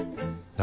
何？